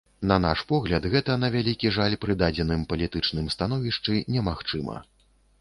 На наш погляд гэта, на вялікі жаль, пры дадзеным палітычным становішчы немагчыма.